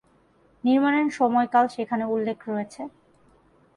নির্মাণের সময়কাল সেখানে উল্লেখ রয়েছে।